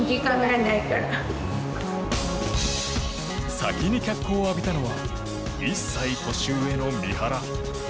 先に脚光を浴びたのは１歳年上の三原。